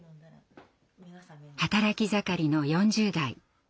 働き盛りの４０代。